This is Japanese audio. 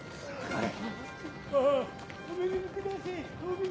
はい。